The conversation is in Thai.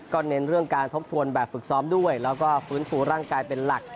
เน้นเรื่องการทบทวนแบบฝึกซ้อมด้วยแล้วก็ฟื้นฟูร่างกายเป็นหลัก